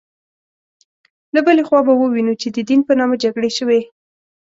له بلې خوا به ووینو چې د دین په نامه جګړې شوې.